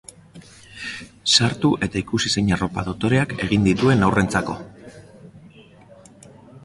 Sartu eta ikusi zein arropa dotoreak egin dituen haurrentzako!